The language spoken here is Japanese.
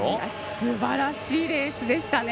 すばらしいレースでしたね。